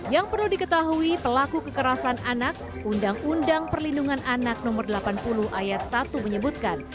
yang perlu diketahui pelaku kekerasan anak undang undang perlindungan anak no delapan puluh ayat satu menyebutkan